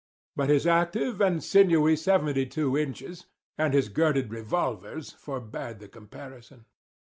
But his active and sinewy seventy two inches, and his girded revolvers forbade the comparison.